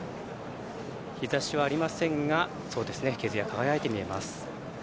日ざしはありませんが毛づや輝いて見えます。